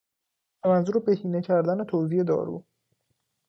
به منظور بهینه کردن توزیع دارو